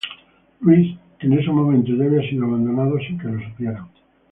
Louis, que en ese momento ya había sido abandonado sin que lo supieran.